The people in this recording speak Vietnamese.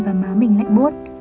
và má mình lạnh bốt